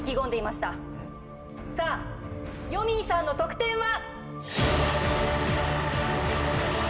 さあよみぃさんの得点は？